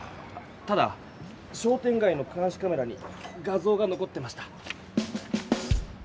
ただ商店がいのかんしカメラに画ぞうがのこってました。